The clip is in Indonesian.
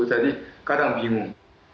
jadi kadang bingung